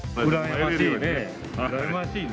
羨ましいよね。